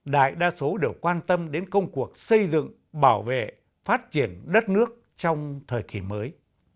đại đa số đều quan tâm đến công cuộc xây dựng bảo vệ phát triển đất nước trong thời kỳ mới